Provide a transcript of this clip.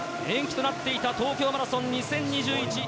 延期となっていた東京マラソン２０２１。